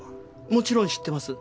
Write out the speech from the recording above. もちろん知ってます。